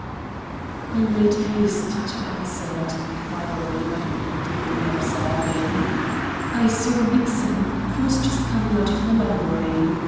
I made haste to answer that inquiry by immediately observing: "I saw Nixon. He was just coming out of the library.